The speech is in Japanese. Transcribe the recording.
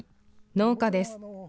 農家です。